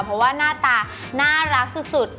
เพราะว่าหน้าตาน่ารักสุด